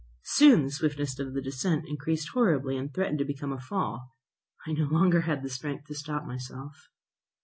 Soon the swiftness of the descent increased horribly, and threatened to become a fall. I no longer had the strength to stop myself.